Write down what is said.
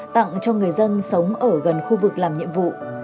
tặng cho người dân sống ở gần khu vực làm nhiệm vụ